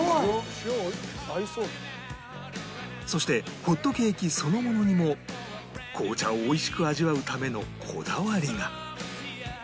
そしてホットケーキそのものにも紅茶を美味しく味わうためのこだわりが